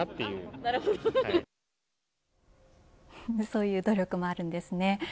そういう努力もあるんですね。